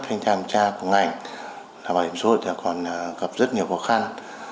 thanh tra của ngành bảo hiểm xã hội còn gặp rất nhiều khó khăn